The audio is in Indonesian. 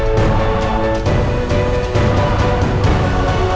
kau mau nikah sama aku